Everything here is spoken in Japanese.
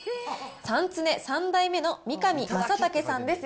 三常３代目の、三上正剛さんです。